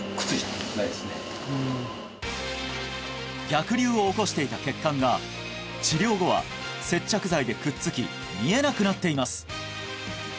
逆流を起こしていた血管が治療後は接着剤でくっつき見えなくなっています